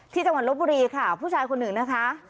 จังหวัดลบบุรีค่ะผู้ชายคนหนึ่งนะคะ